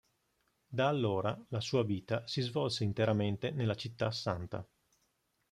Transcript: Da allora, la sua vita si svolse interamente nella città santa.